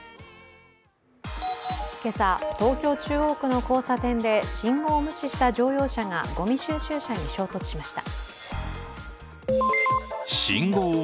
今朝、東京・中央区の交差点で信号を無視した乗用車がごみ収集車に衝突しました。